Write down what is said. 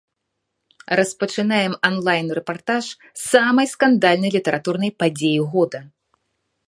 Распачынаем анлайн-рэпартаж самай скандальнай літаратурнай падзеі года.